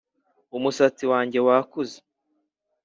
umusatsi wanjye wakuze,